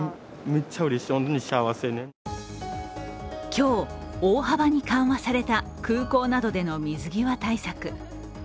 今日、大幅に緩和された空港などでの水際対策。